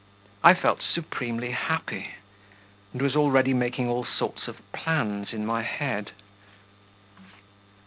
I felt supremely happy, and was already making all sorts of plans in my head.